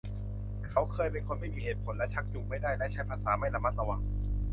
เขาเคยเป็นคนไม่มีเหตุผล และชักจูงไม่ได้ และใช้ภาษาไม่ระมัดระวัง